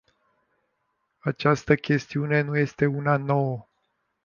Această chestiune nu este una nouă.